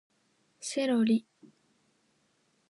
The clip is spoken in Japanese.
セロリ